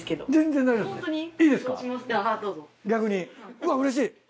うわうれしい。